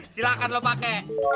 silahkan lo pake